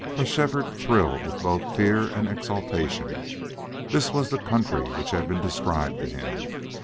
But Shefford thrilled with both fear and exultation. That was the country which had been described to him.